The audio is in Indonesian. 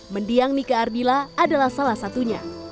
mendiang nike ardila adalah salah satunya